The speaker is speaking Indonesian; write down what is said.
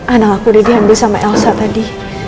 anak aku jadi ambil sama elsa tadi